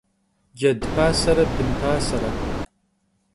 Ced pasere bın pasere.